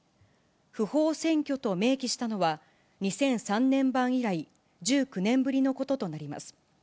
不法占拠と明記したのは、２００３年版以来１９年ぶりのこととなります。